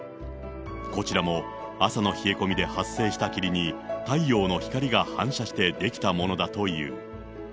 こちらも朝の冷え込みで発生した霧に、太陽の光が反射して出来たものだという。